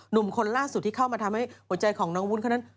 หนุ่มคนล่าสุดที่เข้ามาทำให้หัวใจของน้องวุ้นเขานั้น